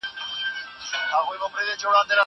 زه له سهاره کتابتون ته راځم!